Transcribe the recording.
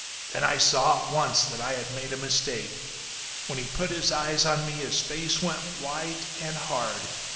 Then I saw, at once, that I had made a mistake. When he put his eyes on me his face went white and hard.